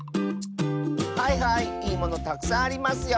はいはいいいものたくさんありますよ。